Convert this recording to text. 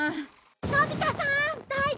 のび太さん大丈夫？